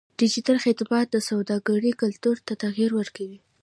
ډیجیټل خدمات د سوداګرۍ کلتور ته تغیر ورکوي.